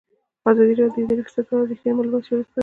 ازادي راډیو د اداري فساد په اړه رښتیني معلومات شریک کړي.